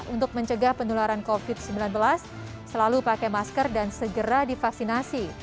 untuk mencegah penularan covid sembilan belas selalu pakai masker dan segera divaksinasi